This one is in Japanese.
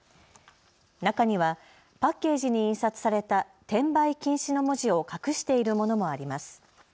中にはパッケージに印刷された転売禁止の文字を隠しているものもあります。